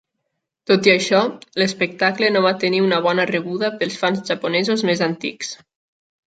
Tot i això, l'espectacle no va tenir una bona rebuda pels fans japonesos més antics.